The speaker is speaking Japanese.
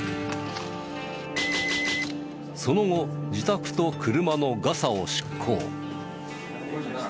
その後自宅と車のガサを執行。